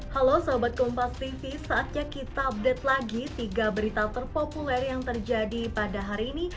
halo sahabat kompas tv saatnya kita update lagi tiga berita terpopuler yang terjadi pada hari ini